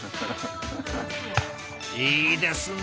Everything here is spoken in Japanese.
いいですね！